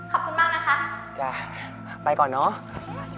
ขอบคุณมากนะคะ